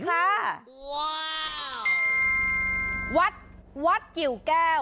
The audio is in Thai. วั้ววาววัดวัดกิ๋วแก้ว